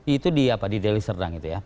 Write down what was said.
itu di delhi serdang